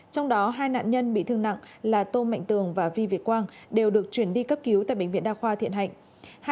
trong đó hai nạn nhân bị thương nặng là tô mạnh tường và vi việt quang đều được chuyển đi cấp cứu tại bệnh viện đa khoa thiện hạnh